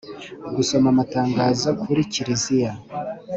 Gusoma amatangazo mu kiriziya